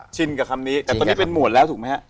ชินกับคำนี้แต่ตอนนี้เป็นหวดแล้วถูกไหมฮะ